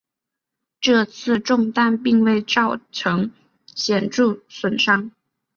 这次中弹并未造成显着损伤。